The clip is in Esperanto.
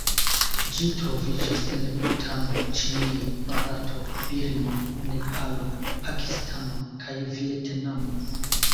Ĝi troviĝas en Butano, Ĉinio, Barato, Birmo, Nepalo, Pakistano kaj Vjetnamo.